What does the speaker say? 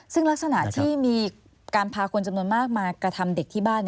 ซึ่งลักษณะที่มีการพาคนจำนวนมากมากระทำเด็กที่บ้าน